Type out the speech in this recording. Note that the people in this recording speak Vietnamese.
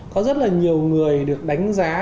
có rất là nhiều người được đánh giá